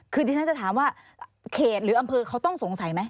คือที่ฉันจะถามว่าเขตหรืออำเภอเขาต้องสงสัยไหม